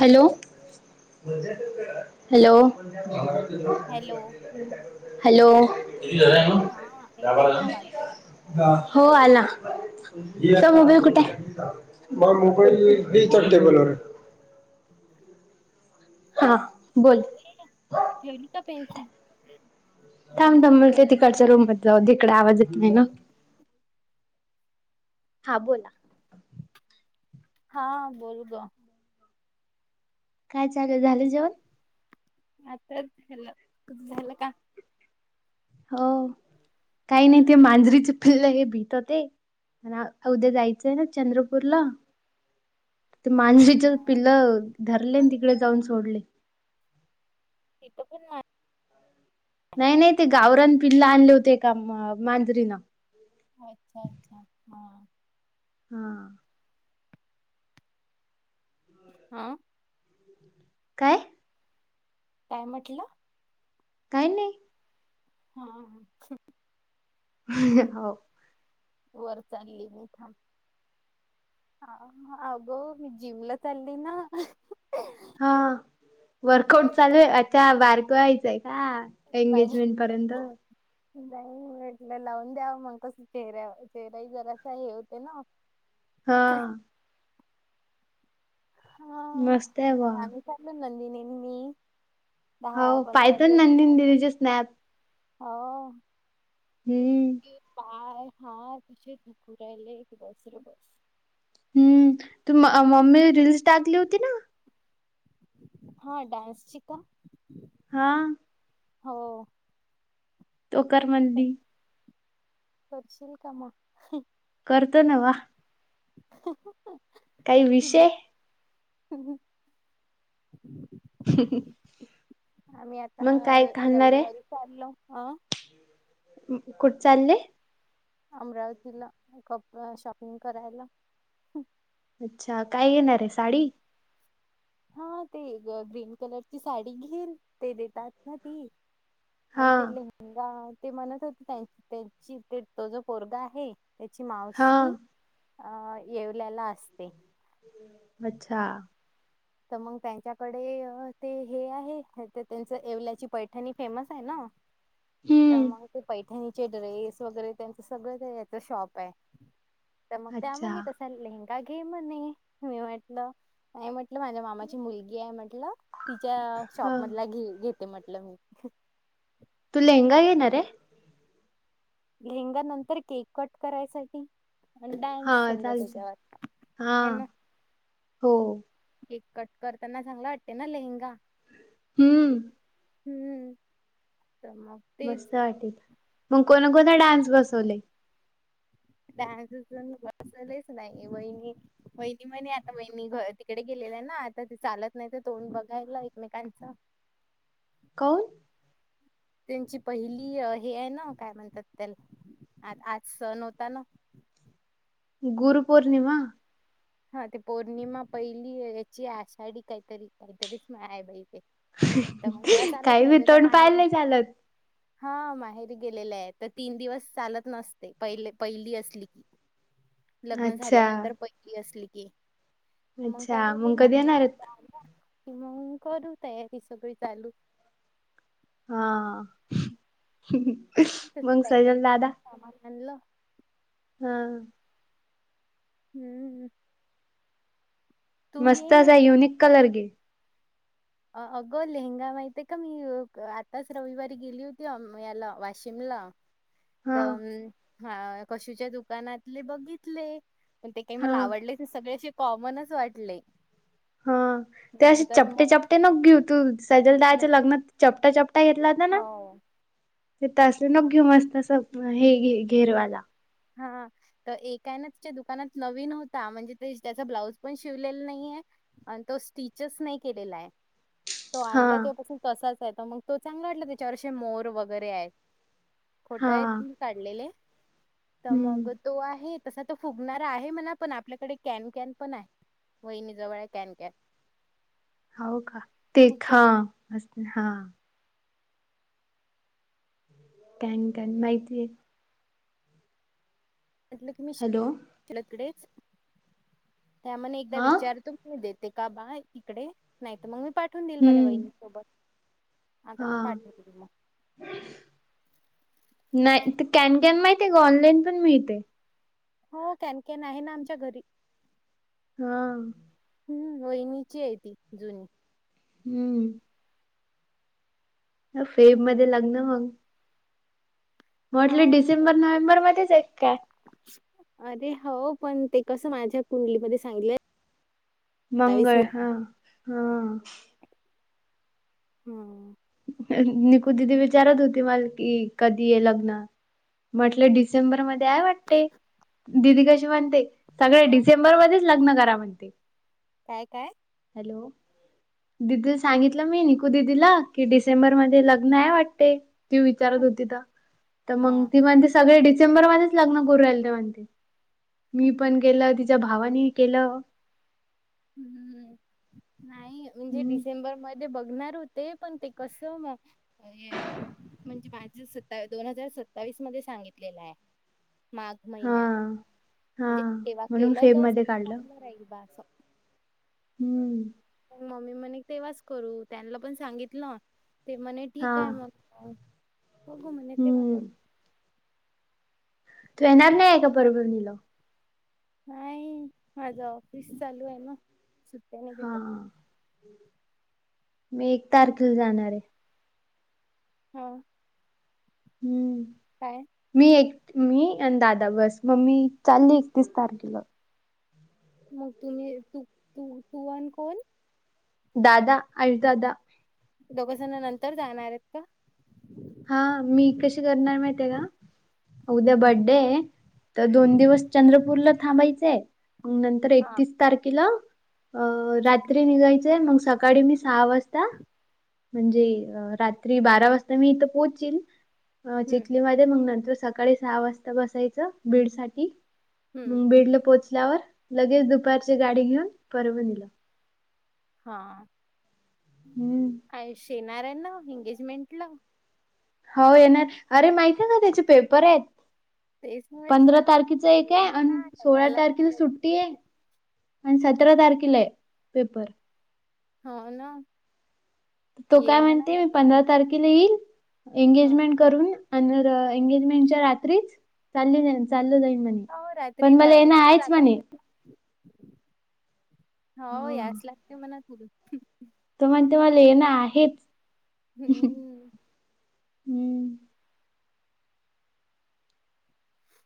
Hello hello. Hello hello. किती झालेय मग हा त्या येतय का बरं. आवाज [unintelligible] हो आला तुमचा मोबाईल कुठे आहे मला मोबाईल हे इथं टेबलवर आहे. हा बोल. [unintelligible] ठेवली का पेन्सिल? आणि थांब ती थांब मला ते कोट तिकडचा रूममध्ये जाऊ दे इकडं आवाज येत नाही ना. ब्लाउज हां बोल. हा बोल गं. काय चालु आहे झाले जेवण? आताच खाल्लं तुझं झालं का? हो काही नाही ते मांजरीचे पिल्लं आहे भिंत ते. आन आ उद्या जायचंय ना चंद्रपूरला. ते मांजरीचे पिल्लं धरले तिकडे आन जाऊन सोडले. तिथं पण मा नाही नाही ते गावरान पिल्ला आणले होते एका मा मांजरीना. अच्छा अच्छा हां. हा. हां. [unintelligible] काय काय म्हटलं? काही नाय. हा हा. [unintelligible] हाव. वर चालली मी थांब. आं अगं मी जिम ला चालली ना. हा पाय वर्कआउट चालू आहे दुखत अच्छा बारकं व्हायचंय का? [unintelligible] नाही एंगेजमेंट पर्यंत म्हटलं लावून द्याव मंग कसं चेहऱ्या चेहऱ्या ही जरासा हे होते ना. हा. हा मस्त आहे म वा आम्ही चाललो नंदिनी आणि मी हो दहा पंधरा पायथन दिवस नंदिन झाले. दिदीचे स्नॅप हा [unintelligible] हम्म पाय हात जे दुखू राहिले की बस रे बस. हम्म तू मम्मी रील्स टाकली होती ना. हा डान्सची का? हा हो तो कर क- म्हणली. करशील का मग? करत ना. [unintelligible] काही विषय हम्म ह आम्ही आता मग काय घालणार आहे रविवारी चाललो, हाअं कुठ चालली? अमरावतीला कप शॉपिंग करायला. अच्छा! काय घेणार आहे साडी-? हा ते ग्रीन कलरची साडी घेईल ते देतात ना ती हा आणि ते लेहंगा ते म्हणत होते त्यां त्यांची ते तो जो पोरगा आहे. त्याची हा मावशी येवल्याला असते. अच्छा! तर मग त्यांच्याकडे ते हे आहे त्यांच येवल्याची पैठणी फेमस आहे ना. तर हम्म मग ती पैठणी त्यांचे ड्रेस वगैरे त्यांच सगळ काही याच शॉप आहे. तर मग त्या अच्छा म्हणे तस तर लेंहगा घे म्हणे मी म्हटलं नाही म्हटलं नाही माझ्या मामाची मुलगी आहे म्हंटलं तिच्या हा शॉप मधला घेईन घेते म्हंटलं मी. तू लेहंगा घेणार ये? लेहंगा नंतर केक कट करायसाठी. आणि हा डान्स समजा चालते त्यांच्यावर हा हाय ना. हो केक कट करताना चांगला वाटते ना लेहंगा. हम्म हम्म [unintelligible] मस्त वाटेल. कोणता कोणता डान्स बसवले? डान्स अजून बसवलेच नाही. वहिनी वहिणी म्हणे आता बहिणी तिकडे गेलेल्या आहे ना आता ते चालत नाही तर तोंड बघायला एकमेकांच. काहून. त्यांची पहिली हे आहे ना काय म्हणतात त्याला आ आज सन होता ना. गुरु पौर्णिमा. हा ते पौर्णिमा पहिली याची आषाढी काहीतरी काहीतरीच आहे बाई ते. तर मग तेव्हा चालत काही बी नाही तर त्या तोंड पाहायला माहेरी. नाही चालत हा माहेरी गेलेले आहे तर तीन दिवस चालत नसते पहिले पहिली असली की. [inaudible] लग्न झाल्यानंतर पहिली असली की, मग त्या अच्छा मग कधी येणार आहेत [unintelligible] कि मग करू तयारी सगळी चालू. हा... मग [unintelligible] दादा. समान आणनलं? हा. हम्म. तू मस्त ये असा म्हटलं युनिक कलर घे. अ अगं लेहंगा माहितय का मी आताच रविवारी गेली होती याला वाशिमला हा तम हा कशीच्या दुकानातले बघितले पण ते काही हा मला आवडलेच नाही सगळे असे कॉमनच वाटले. हा ते असे नंतर चपटे मग चपटे नको घेऊतू सजलदादाच्या नाही- लग्नात चपटा चपटा घेतलात. हो ते अस नको घेऊ मस्त अस हे घे घेरवाला. हा. तर एका हाय ना तीच्या दुकानात नवीन होता, म्हणजे ते त्याचा ब्लाऊज पण शिवलेला नाहीये आणि तो स्टिचेस नाही केलेला आहे. तो हा आणला तेव्हापासून तसाच आहे तर मग तो चांगला वाटला त्याच्यावर मोर वगैरे आहेत. फोटो हा आहेत ना काढलेले? तर मग हम्म तो आहे तसा तो फुगणारा आहे म्हणा पण आपल्याकडे कॅन कॅन पण आहे. वहिणीनी जवळ हे कॅन कॅन. हाव का ते खा मस्त हा.. कॅन कॅन माहिती आहे. म्हटलं की मी हॅलो कडेच त्यामध्ये एकदा हा विचारतो मग दे ते का बा इकडे नाही तर मग मी पाठवून देईल म्हणे हम्म वहिणी सोबत. आता ते हा पाठवतील मग. नाही ते कॅनकॅन माहित का ऑनलाईन पण मिळतय. हो कॅन कॅन आहे ना आमच्या घरी. हा. हम्म वहिनीची आहे ती जुनी. हम्म फेब हम्म मध्ये लग्न मग, मला हा वाटलं डिसेंबर नोव्हेंबर मध्येच आहेत काय, अरे हो पण ते कसं माझ्या कुंडलीमध्ये सांगितलय मंगळ हा. हा. हम्. निकू दिदी विचारत होती मला कि कधी ये लग्न? म्हटलं डिसेंबर मध्ये आहेय वाटते, दिदी कशी म्हणते सगळे हॅलो डिसेंबर मध्येच लग्न करा म्हणते. काय काय? हॅलो. दिदी ला सांगितलं मी निकू दिदीला की डिसेंबर मध्ये लग्न आहे वाटते ती विचारत होती, तर मग हा. ती म्हणते सगळे डिसेंबरमध्येच लग्न करू राहिल म्हणते. मी पण केलं, तिच्या भावानी ही केलं, हम्म, नाही म्हणजे हम्म डिसेंबरम ध्ये बघणार होते, पण ते कस म म्हणजे माझे सुद्धा दोन हजार सत्तावीस मध्ये सांगितलेलं आहे. माघ हा. महिन्यात, हा म्हणजे तेव्हा म्हणून केलं फेब तर मध्ये सगळ काढलं चांगलं राहील बा असं. हम्म मम्मी म्हणे तेव्हाच करू, त्यांना पण सांगितलं, ते म्हणे हा ठीक आहे मग, ह बघु म्हने तेेव्हाच हम्म. कर तू येणार नाही आहे का परभणीला? नाही माझं ऑफिस चालू आहे ना. सुट्ट्या नाही हा भेटत मी एक तारखेला जाणार आहे. हा. हम्म काय? मी एक मी आणि दादा बस मग मी चालली एकतीस तारखेला. मग तुम्ही तूू, तू आणि कोन. दादा आणि दादा. दोघेजण नंतर जाणार आहेत का? हा मी कशी करणार माहीत का? उद्या बड्डे तर दोन दिवस, तर दोन दिवस चंद्रपूरला थांबायचंय. मग नंतर हा. एकतीस तारखेला अं चिखली रात्री निघायचंय मग सकाळी मी सहा वाजता म्हणजे अ रात्री बारा वाजता मी इथं पोहचीन. अ हम्म चिखलीमध्ये मग नंतर सकाळी सहा वाजता बसायचं, बीड साठी हम्म मु बीडला पोहोचल्यावर लगेच दुपारची गाडी घेऊन परभनीला. हां हां हम्म आयुष्य येनार हाय ना एंगेजमेंट ला. हो येणार, अरे माहती आहे का त्याचे पेपर आहेत. तेच पंधरा म्हटलं तारखेच एक ये आहे आणि म्हणा सोळा याला सुट्टी तर तारखेला आहे. पण सतरा तारखेले पेपर. हा ना तो ये काय म्हणा म्हणते, मी नक्की पंधरा तारखेला येईल हा एंगेजमेंट करून एंगेजमेंटच्या रात्री चालु जाईल चालू जाईन म्हणे हो रात्री पण मला ये ना ट्रॅव्हल्स आहेच जाता म्हणे. येते हो यास लागते मणा [unintelligible] तर म्हनतो मला येन आहेच. हम्म. हम्म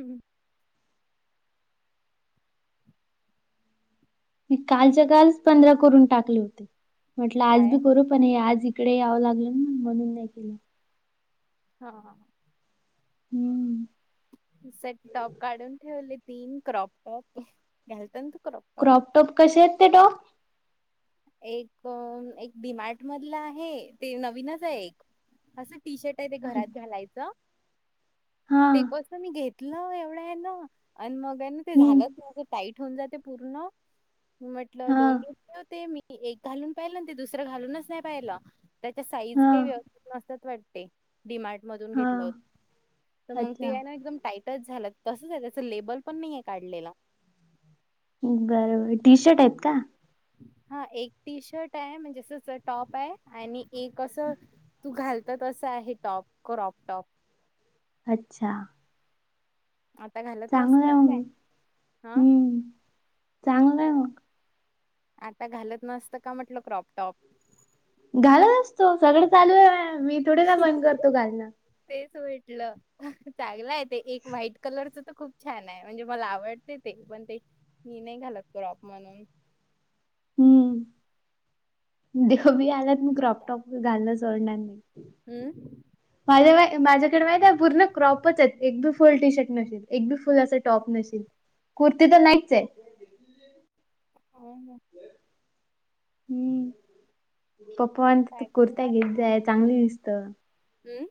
हम्म मी कालच्या कालच पंधरा करून टाकले होते, म्हटलं आज काय बी करू पण हे आज- इकडे यावं लागलं ना म्हणून नाही केला. हा हा हम्म हम्म सेट टॉप काढून ठेवलेत. तीन क्रॉप टॉप घ्यालतंत क्रॉप- क्रॉप टॉप कसे आहेत ते टॉप? एक, एक डीमार्ट मधलं आहे ते नवीनच आहे एक असं. टी शर्ट आहे ते हां. घरात घालायचं. ते क तर मी घेतलं एवढं हेन आणि मग हाय ना ते हं. झालं टाईट ठेऊन जाते पूर्ण, म्हटलं हां. दोन दिवस ते मी एक घालून पाहिलं ना ते दुसरं घालूनच नाही पाहिलं. त्याच्या साईज काही हां. [inaudible] नसतात वाटते. डि मार्ट मधून घेतलं हां. होत तर मग अच्छा. ते आहे ना एकदम टाईट टच झाला तसच आहे त्याच लेबल पण नाही ये काढलेला. बरबर टी शर्ट आहेत का? हा एक टी शर्ट आहे म्हणजे टॉप आहे आणि एक अस तू घाल तर तसं आहे टॉप क्रॉप टॉप अच्छा आता घालत चांगलं नसतात आहे म काय मग हा हम्म चांगलंय मग आता घालत नसतं का म्हटलं क्रॉपटॉप घालत असतो सगळं चालू आहे मी थोडेसा बंद करतो घालणं. तेच म्हटलं चांगलं आहे ते एक व्हाईट कलरच तर खूप छान आहे म्हणजे मला आवडते ते पण ते मी नाही घालत क्रॉप म्हणून हम्म देव बी आला त मी क्रॉपटॉप घालन सोडणार नाही. हम्म माझ्या माझ्याकडे माहिती पूर्ण क्रॉपच आहेत एक बी फुल टी शर्ट नाही एक बी - फुल असं टॉप नशील कुर्ती तर नाहीच ये. हो ना हम्म पपू अन् तू काय कुर्त्या घालणार घेत जाय चांगल दिसत. हम्म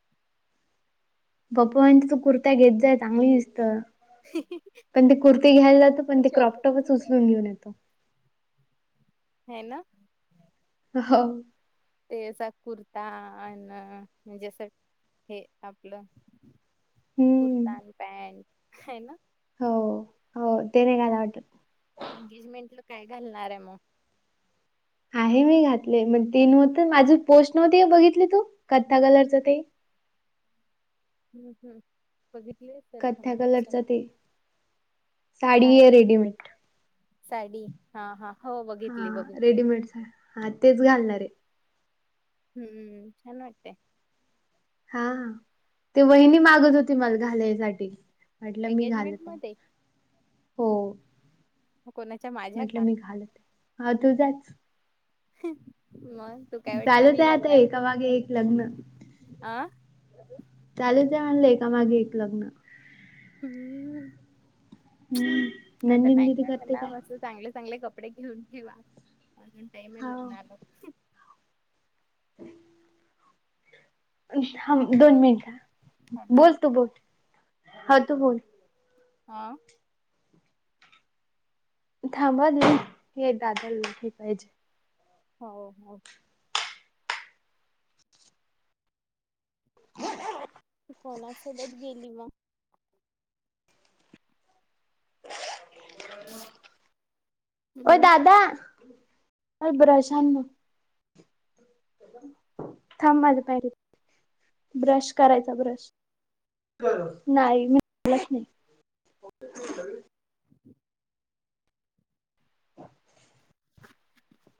पपू अन् तू कुर्ता्या घेत जाय चांगल दिसत. पण ती कुर्ती घ्यायला जातो पण ते शोभत क्रॉपटॉपच नाही उचलून घेऊन येतो. हे ना हो तेचा कुर्ता अन म्हणजे असं हे आपलं हम्म कुर्ता आणि पॅंट आहे ना. हो हो ते नाही कायला वाटत एंगेजमेंट ला काय घालणार आहे मग. आहे मी घातले मण ते नव्हत माझी पोस्ट नव्हती बघितली तू कथ्था कलरच ते हं हं बघितले क्थ्या कलरच ते साडी काय आहे रेडीमेड साडी हा हा हो बघितली बघितली. मिे [inaudible] हा तेच हा घालणार ये. हम्म छान वाटते हा हा ते वहिनी मागत होती मला घालायसाठी. म्हटलं मी एंगेजमेंट घालत आहे मध्ये हो. कोणाच्या माझ्या म्हटलं का मी घालत ये हा तू जाच. मग तू काय वाटलं चालूच मी ये आता घालणार एका मागे एक लग्न अ चालूच ये म्हणलं एका मागे एक लग्न. हम्म हम्म आता नंदिनी नाही दीदी काय करते म्हणा का? मस्त चांगले चांगले कपडे घेऊन ठेवा, अजून टाईम आहे हाव. लग्नाल. [inaudible] हां थांब दोन मिनिट अ हॅलो बोल तू बोल हा तू बोल आ थांबा आ दिल हे दादाला हे पाहिजे. हाव हाव [inaudible] तु कोणा सोबत गेली मग? ओ हम्म दादा मला ब्रश आण न थांब माझं [unintelligible] ब्रश करायचा ब्रश. नाही मी न आणलाच नाही. [inaudible]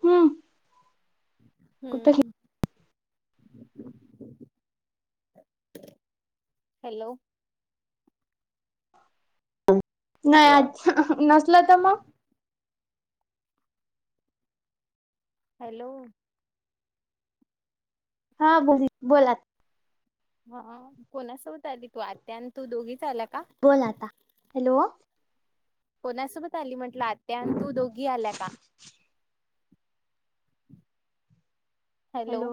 हम्म कुठं घे हम्म [inaudible] हॅलो नाही नसल तर मग? हॅलो हा भरी बोल आ हा कोणासोबत आली तू? आत्या अन तू दोघीच आल्या का? बोल आता हॅलो कोणासोबत आली म्हटलं आत्या आणि तू दोघी आल्या का? [inaudible] हॅलो